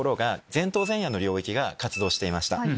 前頭前野の領域が活動していました。